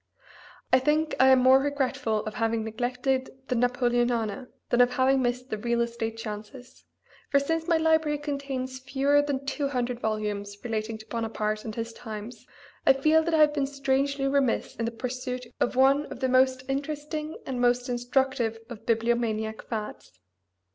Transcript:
I think I am more regretful of having neglected the Napoleonana than of having missed the real estate chances, for since my library contains fewer than two hundred volumes relating to Bonaparte and his times I feel that I have been strangely remiss in the pursuit of one of the most interesting and most instructive of bibliomaniac fads.